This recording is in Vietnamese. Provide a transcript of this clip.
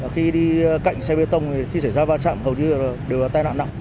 khi đi cạnh xe bê tông thì khi xảy ra va chạm hầu như đều là tai nạn nặng